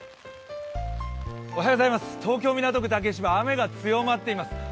東京・港区竹芝、雨が強まっています。